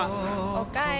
おかえり。